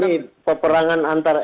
jadi ini peperangan antara